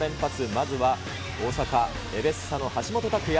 まずは大阪エヴェッサの橋本拓哉。